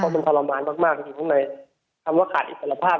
ทีมงานมากที่พวกนั้นทำว่าขาดอิกษลภาพ